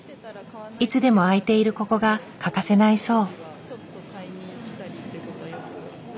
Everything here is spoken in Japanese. いつでも開いているここが欠かせないそう。